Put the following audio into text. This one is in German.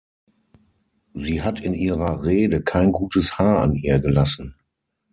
Sie hat in ihrer Rede kein gutes Haar an ihr gelassen.